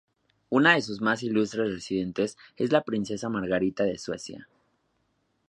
Una de sus más ilustres residentes es la princesa Margarita de Suecia.